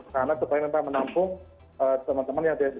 karena supaya kita menampung teman teman yang tidak bisa